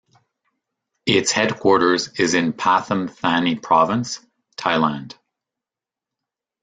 Its headquarters is in Pathum Thani Province, Thailand.